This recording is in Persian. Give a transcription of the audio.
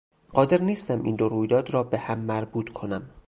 قادر نیستم این دو رویداد را به هم مربوط کنم.